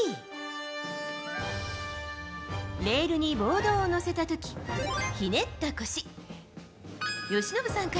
Ｂ、レールにボードをのせたときひねった腰。